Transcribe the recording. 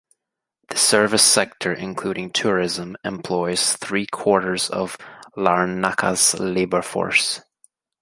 The service sector, including tourism, employs three-quarters of Larnaca's labor force.